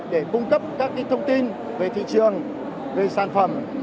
để cung cấp các thông tin về thị trường về sản phẩm